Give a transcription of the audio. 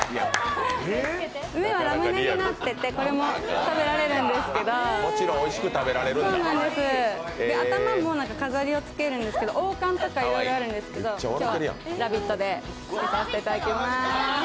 上はラムネになっていて、これは食べられるんですけど、頭も飾りをつけるんですけど、王冠とかいろいろあるんですけど今日は「ラヴィット！」でつけさせていただきます。